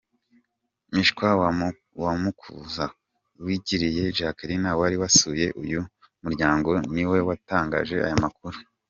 Mwishwa wa Makuza, Uwiragiye Jacqueline wari wasuye uyu muryango niwe watangaje aya makuru.